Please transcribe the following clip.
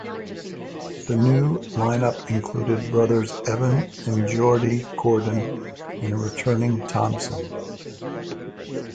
The new lineup included brothers Evan and Geordie Gordon, and a returning Thompson.